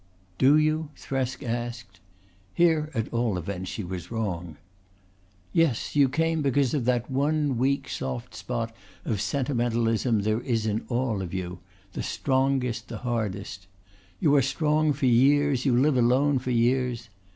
"Do you?" Thresk asked. Here at all events she was wrong. "Yes. You came because of that one weak soft spot of sentimentalism there is in all of you, the strongest, the hardest. You are strong for years. You live alone for years.